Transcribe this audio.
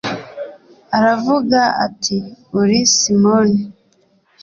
aravuga ati “uri simoni”